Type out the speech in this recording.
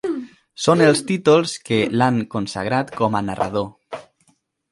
Són els títols que l'han consagrat com a narrador.